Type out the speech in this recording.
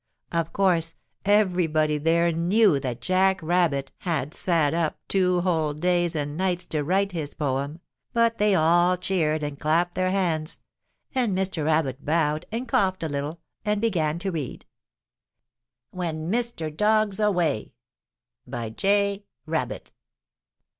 Of course, everybody there knew that Jack Rabbit had sat up two whole days and nights to write his poem, but they all cheered and clapped their hands, and Mr. Rabbit bowed and coughed a little and began to read: WHEN MR. DOG'S AWAY. By J. Rabbit.